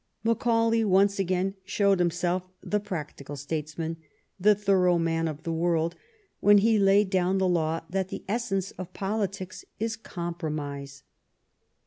Macaulay once again showed himself the practical statesman, the thorough man of the world, when he laid down the law that the essence of politics is compromise.